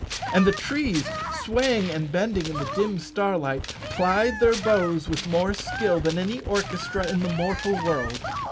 And the trees, swaying and bending in the dim starlight, plied their bows with more skill than any orchestra in the mortal world.